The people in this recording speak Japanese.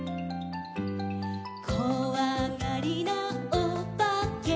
「こわがりなおばけ」